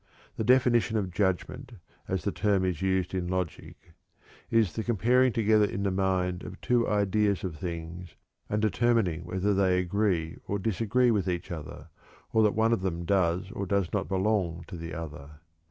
The definition of "judgment," as the term is used in logic; is "the comparing together in the mind of two ideas of things, and determining whether they agree or disagree with each other, or that one of them does or does not belong to the other.